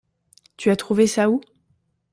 Tu as trouvé ça où?